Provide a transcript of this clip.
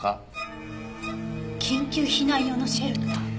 緊急避難用のシェルター？